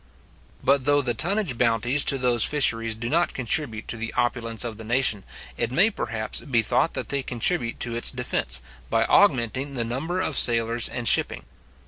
But though the tonnage bounties to those fisheries do not contribute to the opulence of the nation, it may, perhaps, be thought that they contribute to its defence, by augmenting the number of its sailors and shipping.